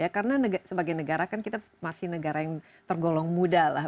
karena sebagai negara kan kita masih negara yang tergolong muda lah